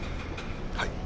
はい。